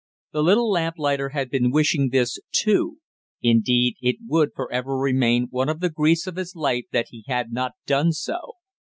The little lamplighter had been wishing this, too; indeed, it would for ever remain one of the griefs of his life that he had not done so.